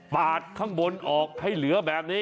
ปาดข้างบนออกให้เหลือแบบนี้